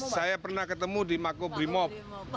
saya pernah ketemu di mako brimob